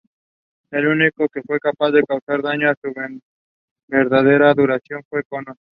El único que fue capaz de causar daño a su verdadera duración fue Connor.